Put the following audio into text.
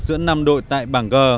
giữa năm đội tại bảng g